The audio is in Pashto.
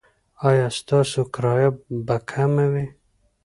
ایا ستاسو کرایه به کمه وي؟